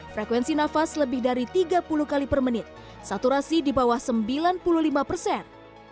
frekuensi nafas lebih dari tiga puluh kali per menit saturasi di bawah sembilan puluh lima persen